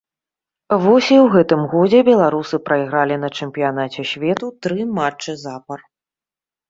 Вось і ў гэтым годзе беларусы прайгралі на чэмпіянаце свету тры матчы запар.